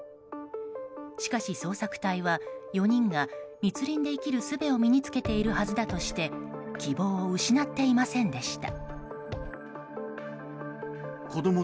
しかし、捜索隊は４人が密林で生きる術を身につけているはずだとして希望を失っていませんでした。